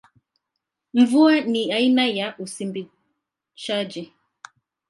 Mvua ni aina ya usimbishaji.